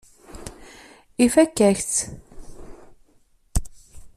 Ifakk-ak-tt.